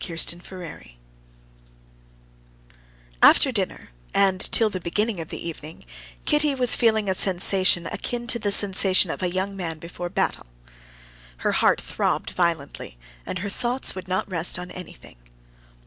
Chapter 13 After dinner, and till the beginning of the evening, Kitty was feeling a sensation akin to the sensation of a young man before a battle. Her heart throbbed violently, and her thoughts would not rest on anything.